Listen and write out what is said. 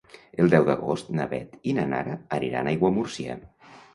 El deu d'agost na Beth i na Nara aniran a Aiguamúrcia.